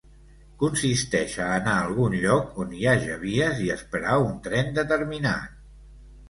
Consisteix a anar a algun lloc on hi haja vies i esperar un tren determinat.